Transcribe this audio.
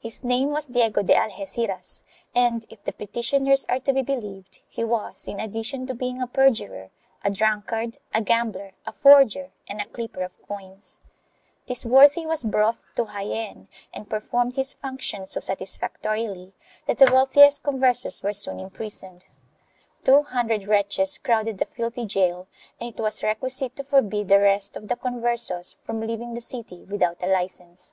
His name was Diego de Algeciras and, if the petitioners are to be believed, he was, in addition to being a perjurer, a drunkard, a gambler, a forger and a clipper of coins. This worthy was brought to Jaen and performed his functions so satisfactorily that the wealthiest Converses were soon imprisoned. Two hundred wretches crowded the filthy gaol and it was requisite to forbid the rest of the Converses from leaving the city without a license.